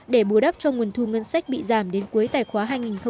để bùa đắp cho nguồn thu ngân sách bị giảm đến cuối tài khoá hai nghìn một mươi tám